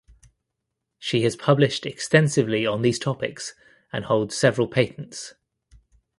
She has published extensively on these topics and holds several patents.